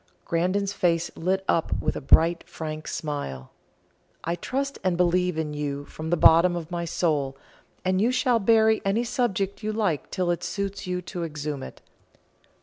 Grandon's face lit up with a bright frank smile. "I trust and believe in you from the bottom of my soul, and you shall bury any subject you like till it suits you to exhume it.